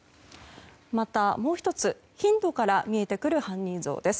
また、もう１つ頻度から見えてくる犯人像です。